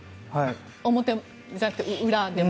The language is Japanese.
表じゃなくて裏でも。